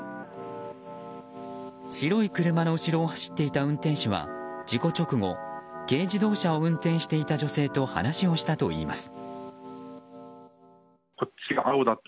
白い車の後ろを走っていた運転手は事故直後軽自動車を運転していた女性と話をしたといいます。